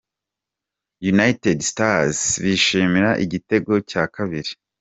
United Stars bishimira igitego cya kabiri .